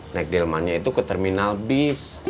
naik delmannya itu ke terminal bis